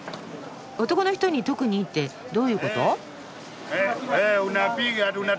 男の人に特にいいってどういうこと？